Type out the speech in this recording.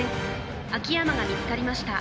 秋山が見つかりました。